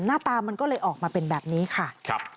หน้าตามันก็เลยออกมาเป็นแบบนี้ค่ะ